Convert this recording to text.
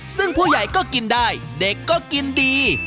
ซึ่งผู้ใหญ่ก็กินได้เด็กก็กินดี